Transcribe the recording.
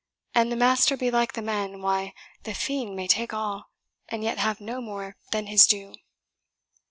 An the master be like the men, why, the fiend may take all, and yet have no more than his due."